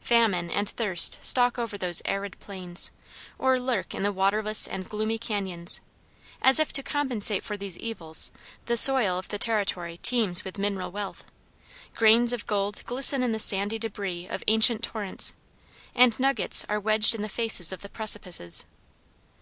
Famine and thirst stalk over those arid plains, or lurk in the waterless and gloomy cañons; as if to compensate for these evils, the soil of the territory teems with mineral wealth. Grains of gold glisten in the sandy débris of ancient torrents, and nuggets are wedged in the faces of the precipices.